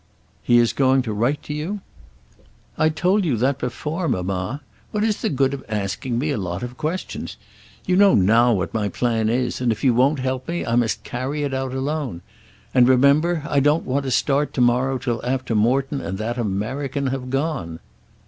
"He is going to write to you?" "I told you that before, mamma. What is the good of asking a lot of questions? You know now what my plan is, and if you won't help me I must carry it out alone. And, remember, I don't want to start to morrow till after Morton and that American have gone."